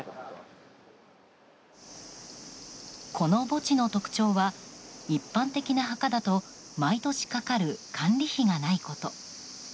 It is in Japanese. この墓地の特徴は一般的な墓だと毎年かかる管理費がないこと。